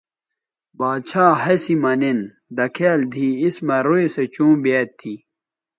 باڇھا ہسی مہ نِن دکھیال دی اِس مہ روئ سو چوں بیاد تھی